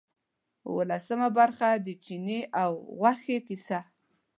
اوولسمه برخه د چیني او غوښې کیسه.